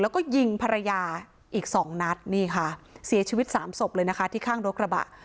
แล้วก็ยิงภรรยาอีกสองนัดนี่ค่ะเสียชีวิตสามศพเลยนะคะที่ข้างรถกระบะ